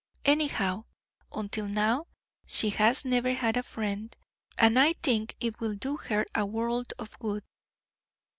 Anyhow, until now, she has never had a friend, and I think it will do her a world of good.